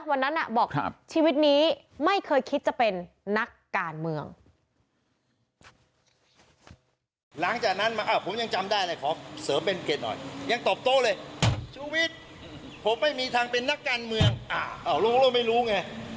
วันนั้นบอกชีวิตนี้ไม่เคยคิดจะเป็นนักการเมือง